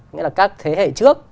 nghĩa là các thế hệ trước